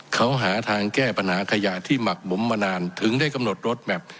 เขาหาทางแก้ปัญหาขยะที่หมักหมมมานานถึงได้กำหนดรถแมพ